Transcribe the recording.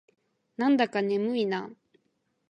なんだか眠いな。